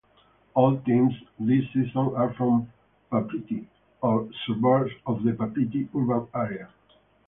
All teams this season are from Papeete or suburbs of the Papeete Urban Area.